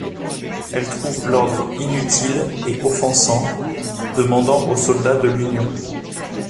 Elle trouve l'ordre inutile et offensant, demandant aux soldats de l'Union.